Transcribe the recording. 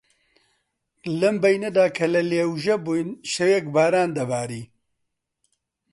لەم بەینەدا کە لە لێوژە بووین، شەوێک باران دەباری